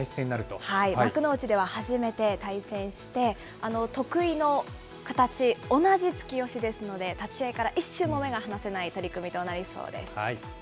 幕内では初めて対戦して、得意の形、同じ突き押しですので、立ち合いから一瞬も目が離せない取組となりそうです。